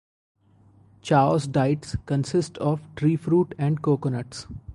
Chao's diets consist of tree fruit and coconuts.